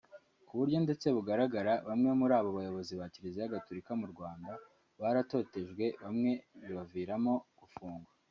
Kuburyo ndetse bugaragara bamwe muri abo bayobozi ba Kiliziya Gatolika mu Rwanda baratotejwe bamwe bibaviramo gufungwa